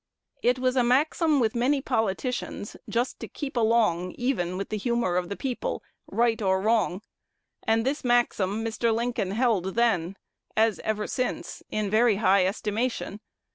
"It was a maxim with many politicians just to keep along even with the humor of the people, right or wrong;" and this maxim Mr. Lincoln held then, as ever since, in very high estimation.